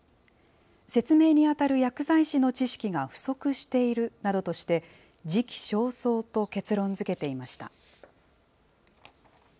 説明に当たる薬剤師の知識が不足しているなどとして、時期尚早と結論づけていました。